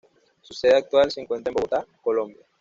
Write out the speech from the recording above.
Su sede actual se encuentra en Bogotá, Colombia.